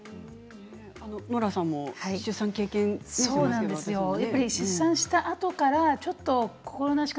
ノラさんも出産経験者ですよね。